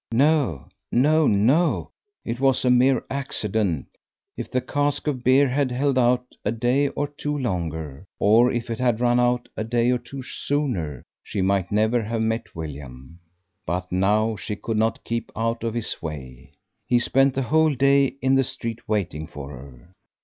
No, no, no; it was a mere accident; if the cask of beer had held out a day or two longer, or if it had run out a day or two sooner, she might never have met William! But now she could not keep out of his way. He spent the whole day in the street waiting for her.